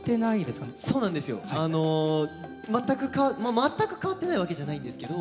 全く変わってないわけじゃないんですけど。